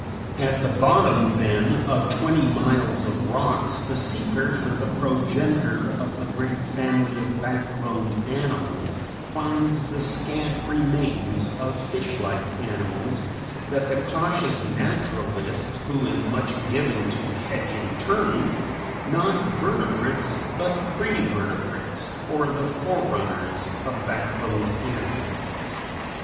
At the bottom, then, of twenty miles of rocks the seeker for the progenitor of the great family of backboned animals finds the scant remains of fish like animals that the cautious naturalist, who is much given to "hedging," terms, not vertebrates, but prevertebrates or the forerunners of backboned animals.